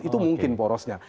itu mungkin porosnya